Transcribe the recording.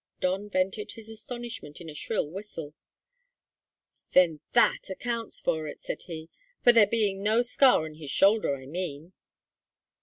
Don vented his astonishment in a shrill whistle. "Then that accounts for it," said he; "for there being no scar on his shoulder, I mean."